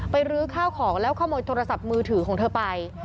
รื้อข้าวของแล้วขโมยโทรศัพท์มือถือของเธอไป